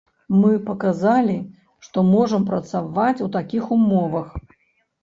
Мы паказалі, што можам працаваць у такіх умовах.